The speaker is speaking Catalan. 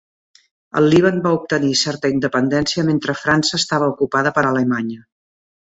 El Líban va obtenir certa independència mentre França estava ocupada per Alemanya.